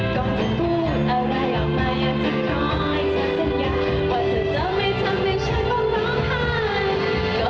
ก็จะพูดอะไรออกมาอยากจะขอให้เธอสัญญา